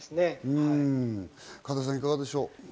神田さん、いかがでしょう。